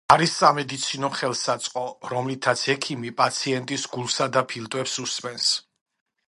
არის სამედიცინო ხელსაწყო, რომლითაც ექიმი პაციენტის გულსა და ფილტვებს უსმენს.